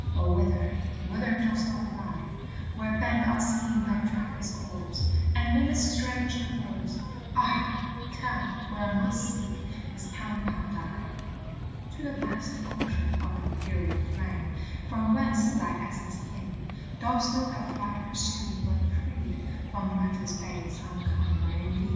O, whither, whither dost thou fly, Where bend unseen thy trackless course, And in this strange divorce, Ah, tell where I must seek this compound I? To the vast ocean of empyreal flame, From whence thy essence came, Dost thou thy flight pursue, when freed From matter's base uncumbering weed?